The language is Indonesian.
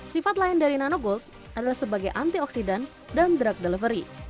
sifat lain dari nanogold adalah sebagai antioksidan dan drug delivery